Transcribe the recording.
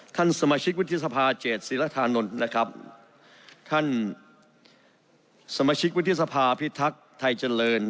ท่านสมชิกวิทยาภา๗ศิรฐานนทรท่านสมชิกวิทยาภาพิทักษ์ไทยเจริญ